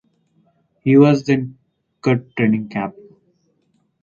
He was then cut training camp.